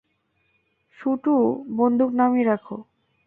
শুটু, বন্দুক নামিয়ে রাখ!